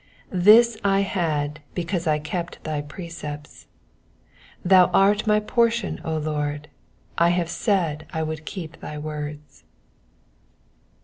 This I had because I kept thy precepts. Thou art my portion, O Lord : I have said that I would keep thy words.